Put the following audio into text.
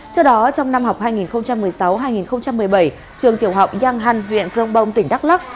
trước đó trong năm học hai nghìn một mươi sáu hai nghìn một mươi bảy trường tiểu học giang hàn huyện cronbong tỉnh đắk lắc